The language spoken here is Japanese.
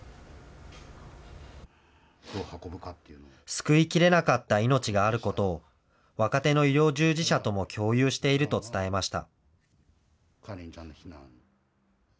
救いきれなかった命があることを、若手の医療従事者とも共有していると伝えました。